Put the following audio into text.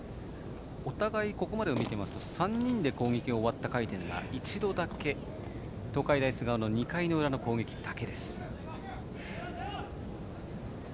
お互いここまでを見てますと３人で攻撃が終わった回が一度だけ、東海大菅生の２回裏の攻撃だけです。